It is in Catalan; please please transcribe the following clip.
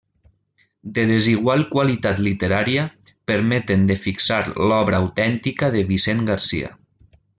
De desigual qualitat literària, permeten de fixar l'obra autèntica de Vicent Garcia.